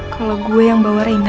kalau gue yang bawa reina